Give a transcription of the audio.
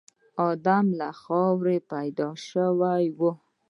ادم له خاورې پيدا شوی و.